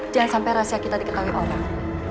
jangan sampai rahasia kita diketahui orang